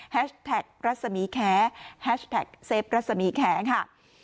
แท็กรัศมีแคร์แฮชแท็กเซฟรัศมีแคค่ะ